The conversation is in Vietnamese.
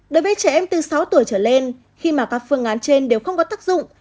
đối với trẻ em từ sáu tuổi trở lên khi mà các phương án trên đều không có tác dụng